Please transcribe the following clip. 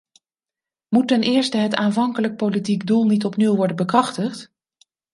Moet ten eerste het aanvankelijk politiek doel niet opnieuw worden bekrachtigd?